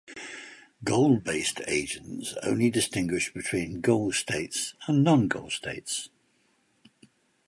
Goal-based agents only distinguish between goal states and non-goal states.